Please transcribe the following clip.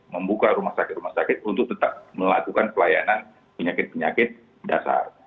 membuka rumah sakit rumah sakit untuk tetap melakukan pelayanan penyakit penyakit dasar